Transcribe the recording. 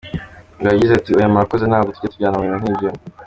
Ngo yagize ati “Oya murakoze, ntabwo tujya tujya mu bintu nk’ibyo.